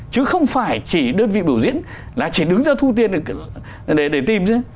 chứ không phải chỉ đơn vị biểu diễn là chỉ đứng ra thu tiên để tìm chứ